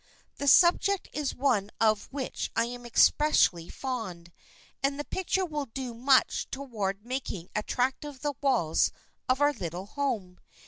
The subject is one of which I am especially fond, and the picture will do much toward making attractive the walls of our little home.